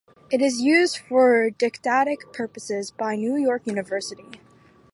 It is used for didactic purposes by New York University.